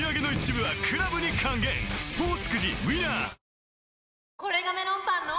三菱電機これがメロンパンの！